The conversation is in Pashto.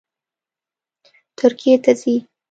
ترکیې ته ځي